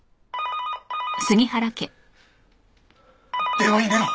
電話に出ろ。